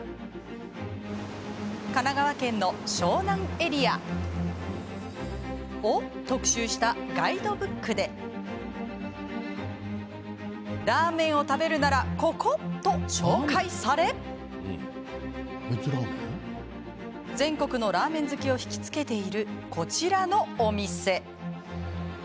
神奈川県の湘南エリアを特集したガイドブックでラーメンを食べるならここと紹介され全国のラーメン好きをひきつけている、こちらのお店。